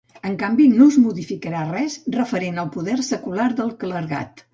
En canvi, no es modificà res referent al poder secular del clergat.